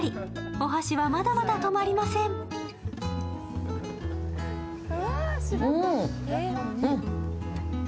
お箸はまだまだ止まりません。